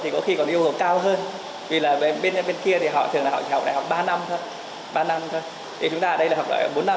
thì chúng ta ở đây là học đại học bốn năm